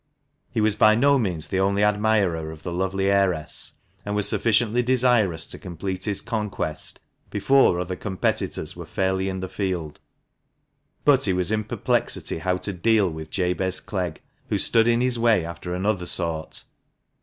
He was by no means the only admirer of the lovely heiress, and was sufficiently desirous to complete his conquest before other competitors were fairly in the field ; but he was in perplexity how to deal with Jabez Clegg, who stood in his way after another sort.